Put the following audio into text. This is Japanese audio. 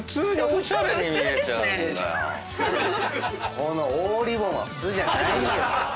この大リボンは普通じゃないよ！